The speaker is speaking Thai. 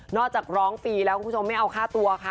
จากร้องฟรีแล้วคุณผู้ชมไม่เอาค่าตัวค่ะ